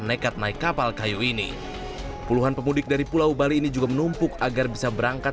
nekat naik kapal kayu ini puluhan pemudik dari pulau bali ini juga menumpuk agar bisa berangkat